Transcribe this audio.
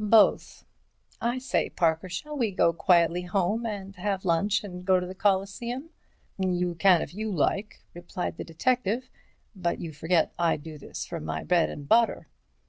"Both. I say, Parker, shall we go quietly home and have lunch and go to the Coliseum?" "You can if you like," replied the detective; "but you forget I do this for my bread and butter."